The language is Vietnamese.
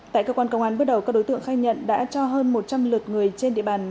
tại cơ quan công an bước đầu các đối tượng khai nhận đã cho hơn một trăm linh lượt người trên địa bàn